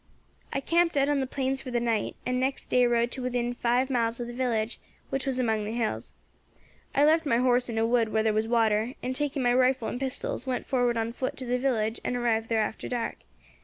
"I camped out on the plains for the night, and next day rode to within five miles of the village, which was among the hills. I left my horse in a wood where there was water, and, taking my rifle and pistols, went forward on foot to the village and arrived there after dark.